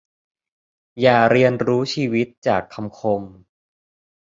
อย่าเรียนรู้ชีวิตจากคำคม